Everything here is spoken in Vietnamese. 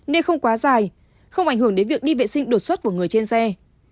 nên không quá dài không ảnh hưởng đến việc đi vệ sinh đột xuất của người trên xe